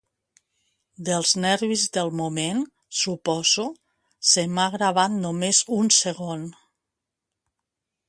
Dels nervis del moment, suposo, se m'ha gravat només un segon.